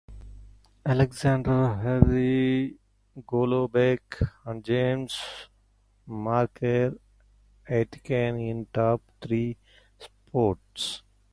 Alexander, Harry Golombek, and James Macrae Aitken in the top three spots.